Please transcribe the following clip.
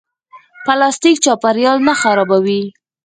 پلاستیک چاپیریال نه خرابوي